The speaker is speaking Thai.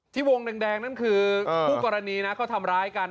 ที่วงแดงนั่นคือเอ่อผู้กรณีนะเขาทำร้ายกัน